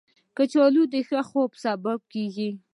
کچالو د ښه خوب سبب کېږي